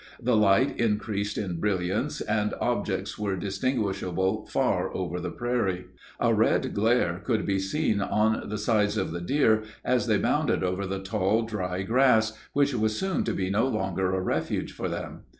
The light increased in brilliance, and objects were distinguishable far over the prairie. A red glare could be seen on the sides of the deer as they bounded over the tall dry grass, which was soon to be no longer a refuge for them.